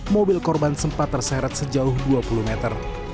mobil korban sempat terseret sejauh dua puluh meter